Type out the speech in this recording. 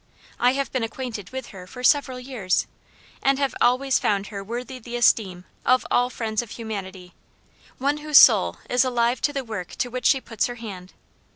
I have been acquainted with her for several years, and have always found her worthy the esteem of all friends of humanity; one whose soul is alive to the work to which she puts her hand..